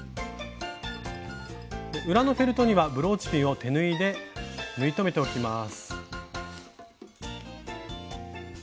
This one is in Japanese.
裏のフェルトにはブローチピンを手縫いで縫い留めておきます。